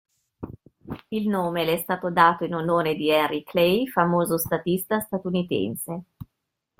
Il nome le è stato dato in onore di Henry Clay, famoso statista statunitense.